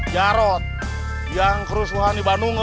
jarod yang kerusuhan di bandung